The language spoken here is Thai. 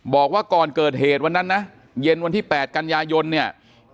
บอกว่าก่อนเกิดเหตุวันนั้นนะเย็นวันที่๘กันยายนเนี่ย